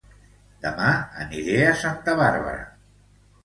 Dema aniré a Santa Bàrbara